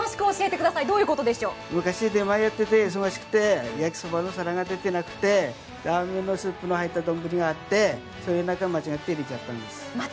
昔出前やってて忙しくて焼きそばの皿が出てなくてラーメンのスープの入った丼があって、その中に間違って入れちゃったんです。